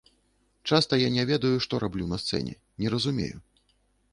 Часта я не ведаю, што раблю на сцэне, не разумею.